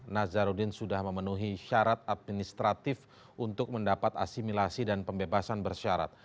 nazarudin sudah memenuhi syarat administratif untuk mendapat asimilasi dan pembebasan bersyarat